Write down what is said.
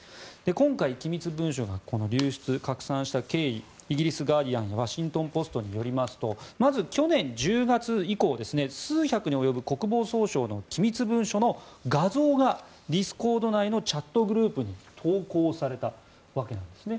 今回、機密文書が流出・拡散した経緯イギリス、ガーディアンワシントン・ポストによりますとまず去年１０月以降数百に及ぶ国防総省の機密文書の画像がディスコード内のチャットグループに投稿されたわけなんですね。